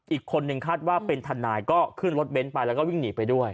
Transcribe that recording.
อีกคนนึงคาดว่าเป็นทนายก็ขึ้นรถเบ้นไปแล้วก็วิ่งหนีไปด้วย